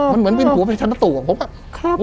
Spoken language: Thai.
มันเหมือนเป็นหัวเป็นชะนตุผมก็